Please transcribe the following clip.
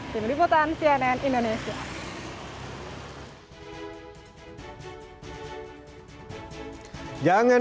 tim liputan cnn indonesia